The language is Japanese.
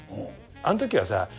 あんときはさ。